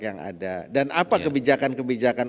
yang ada dan apa kebijakan kebijakan